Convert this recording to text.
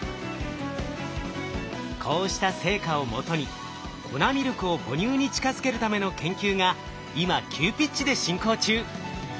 こうした成果をもとに粉ミルクを母乳に近づけるための研究が今急ピッチで進行中。